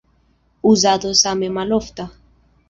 Uzado same malofta.